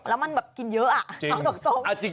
แล้วมันแบบกินเยอะอ่ะเอาตรง